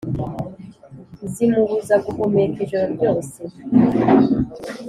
Zimubuza guhumeka ijoro ryose